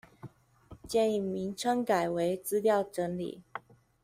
建議名稱改為資料整理